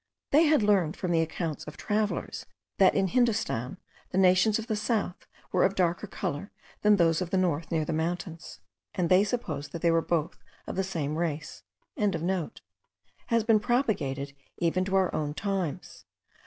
They had learned from the accounts of travellers, that in Hindostan the nations of the south were of darker colour than those of the north, near the mountains: and they supposed that they were both of the same race.) has been propagated even to our own times.